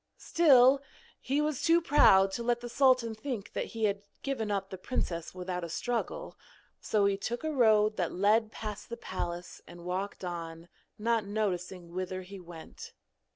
Still, he was too proud to let the sultan think that he had given up the princess without a struggle, so he took a road that led past the palace and walked on, not noticing whither he went.